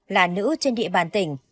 là nữ trên địa bàn tỉnh